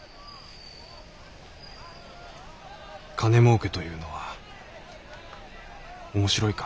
金もうけというのは面白いか？